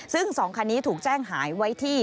ซึ่ง๒คันนี้ถูกแจ้งหายไว้ที่